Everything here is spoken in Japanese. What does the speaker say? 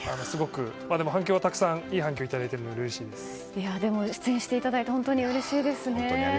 反響はいい反響をいただいているのででも、出演していただいて本当にうれしいです。